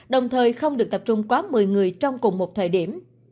đồng thời không được tập trung quá một mươi người trong cùng một thời điểm